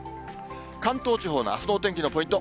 関東地方のあすのお天気のポイント。